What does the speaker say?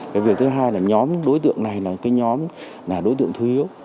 cái việc thứ hai là nhóm đối tượng này là cái nhóm đối tượng thú yếu